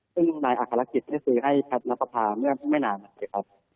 ซึ่งนัยอักษรักษิตได้ซื้อให้แพทย์นัตรภาพเมื่อไม่นานนะครับ